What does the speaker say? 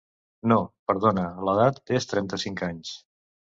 No, perdona, l'edat és trenta-cinc anys.